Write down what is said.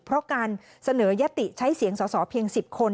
เพราะการเสนอยติใช้เสียงสอสอเพียง๑๐คน